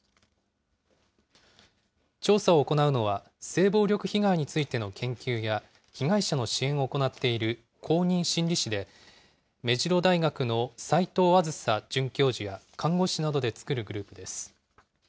調査を行うのは、性暴力被害についての研究や被害者の支援を行っている公認心理師で、目白大学の齋藤梓准教授や看護師などで作るグループです。